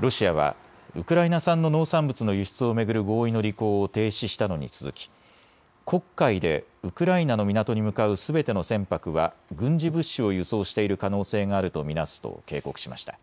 ロシアはウクライナ産の農産物の輸出を巡る合意の履行を停止したのに続き黒海でウクライナの港に向かうすべての船舶は軍事物資を輸送している可能性があると見なすと警告しました。